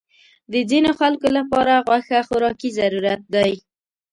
د ځینو خلکو لپاره غوښه خوراکي ضرورت دی.